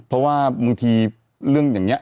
เพราะว่าหลังจากเรื่องอย่างเงี้ย